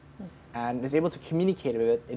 dan dapat berkomunikasi dengan itu